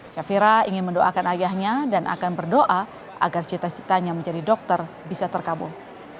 syafira ingin mendoakan ayahnya dan akan berdoa agar cita citanya menjadi dokter bisa terkabul